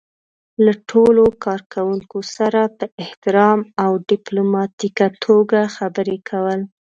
له ټولو کار کوونکو سره په احترام او ډيپلوماتيکه توګه خبرې کول.